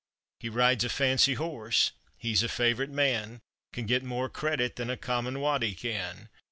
He rides a fancy horse, he's a favorite man, Can get more credit than a common waddie can.